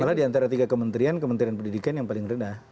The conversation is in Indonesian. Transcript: malah diantara tiga kementerian kementerian pendidikan yang paling rendah